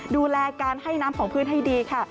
ดูแลการให้น้ำของพื้นให้ดีค่ะ